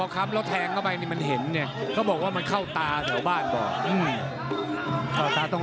เขาบอกว่ามันเข้าตาแถวบ้านบ้าง